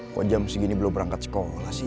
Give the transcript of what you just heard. kok jam segini belum berangkat sekolah sih